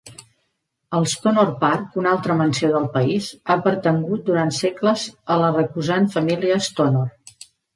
El Stonor Park, una altra mansió del país, ha pertangut durant segles a la recusant família Stonor.